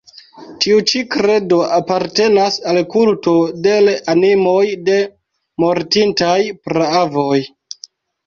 Tiu ĉi kredo apartenas al kulto de l' animoj de mortintaj praavoj.